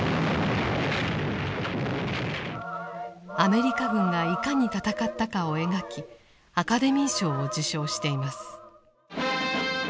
アメリカ軍がいかに戦ったかを描きアカデミー賞を受賞しています。